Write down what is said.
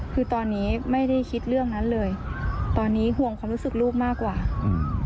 คือตอนนี้ไม่ได้คิดเรื่องนั้นเลยตอนนี้ห่วงความรู้สึกลูกมากกว่าอืม